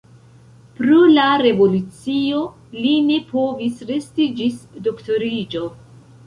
Pro la revolucio li ne povis resti ĝis doktoriĝo.